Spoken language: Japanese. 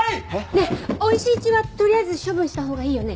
ねえおいしい血はとりあえず処分したほうがいいよね？